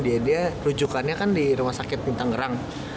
dia rujukannya kan di rumah sakit pintang ngerang